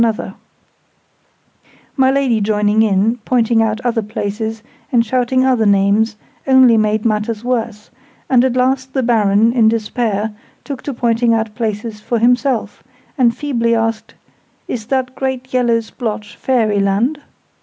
{Image...The map of fairyland} My Lady joining in, pointing out other places, and shouting other names, only made matters worse; and at last the Baron, in despair, took to pointing out places for himself, and feebly asked "Is that great yellow splotch Fairyland?"